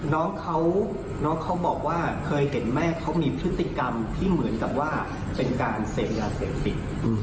น้องเขาน้องเขาบอกว่าเคยเห็นแม่เขามีพฤติกรรมที่เหมือนกับว่าเป็นการเสพยาเสพติด